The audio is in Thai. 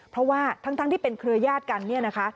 เพราะว่าทั้งที่เป็นเครือยาศกันเนี่ยนะคะ